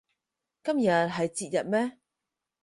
今日係節日咩